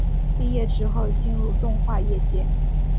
毕业之后进入动画业界。